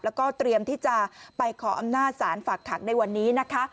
แล้วก็เตรียมที่จะไปขออำนาจศาลฝากขังในวันนี้นะคะ